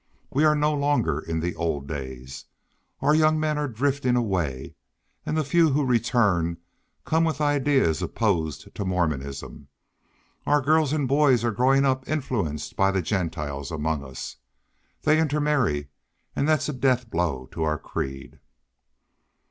We are no longer in the old days. Our young men are drifting away, and the few who return come with ideas opposed to Mormonism. Our girls and boys are growing up influenced by the Gentiles among us. They intermarry, and that's a death blow to our creed."